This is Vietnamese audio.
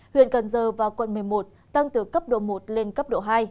huyện cần giờ và quận một mươi một tăng từ cấp độ một lên cấp độ hai